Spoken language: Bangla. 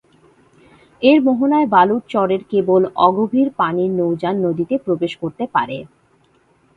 এর মোহনায় বালুর চরের কেবল অগভীর পানির নৌযান নদীতে প্রবেশ করতে পারে।